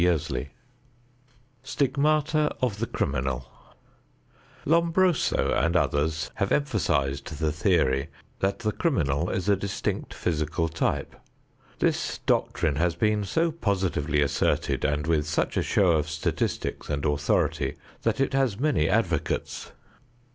XXIV STIGMATA OF THE CRIMINAL Lombroso and others have emphasized the theory that the criminal is a distinct physical type. This doctrine has been so positively asserted and with such a show of statistics and authority, that it has many advocates.